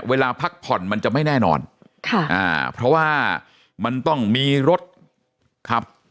เวลาพักผ่อนมันจะไม่แน่นอนค่ะอ่าเพราะว่ามันต้องมีรถขับ